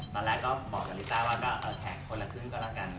ตอนแรกก็บอกกับลิต้าว่าก็แท็กคนละครึ่งก็แล้วกัน